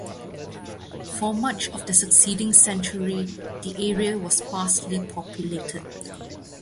For much of the succeeding century, the area was sparsely populated.